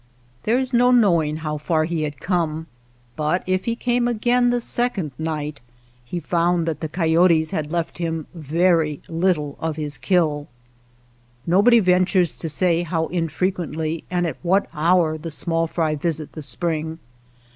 There was no knowing how far he had come, but if he came again the second night he found that the coyotes had left him very Httle of his kill. Nobody ventures to say how infrequently and at what hour the small fry visit the spring.